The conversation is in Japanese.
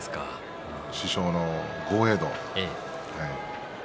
師匠の豪栄道。